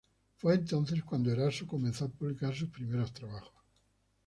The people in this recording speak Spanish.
Fue entonces cuando Eraso comenzó a publicar sus primeros trabajos.